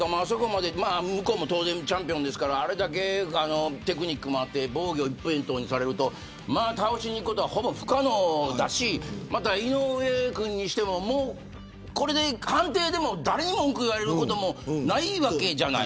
向こうも当然チャンピオンですからあれだけテクニックもあって防御一辺倒にされると倒しにいくことはほぼ不可能だし井上君にしても、これで判定でも誰に文句言われることもないわけじゃない。